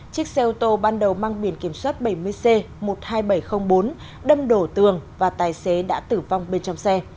chiếc xe ô tô ban đầu mang biển kiểm soát bảy mươi c một mươi hai nghìn bảy trăm linh bốn đâm đổ tường và tài xế đã tử vong bên trong xe